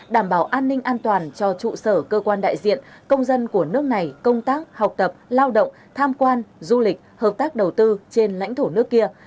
đảm bảo an ninh an toàn cho trụ sở cơ quan đại diện công dân của nước này công tác học tập lao động tham quan du lịch hợp tác đầu tư trên lãnh thổ nước kia